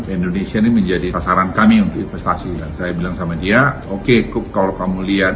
indonesia ini menjadi pasaran kami untuk investasi dan saya bilang sama dia oke cook kalau kamu lihat